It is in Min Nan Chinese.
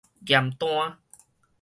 驗單